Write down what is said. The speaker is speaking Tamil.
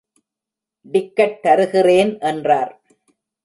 டிக்கட் தருகிறேன் என்றார்.